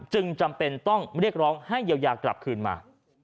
จำเป็นต้องเรียกร้องให้เยียวยากลับคืนมา